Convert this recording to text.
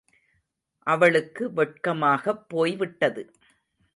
அவளுக்கு வெட்கமாகப் போய் விட்டது.